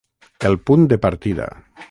El punt de partida.